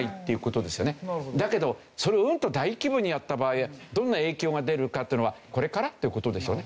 だけどそれをうんと大規模にやった場合どんな影響が出るかというのはこれからという事でしょうね。